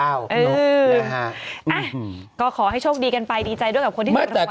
เออก็ขอให้โชคดีกันไปดีใจด้วยกับคนที่ถูกรางวัล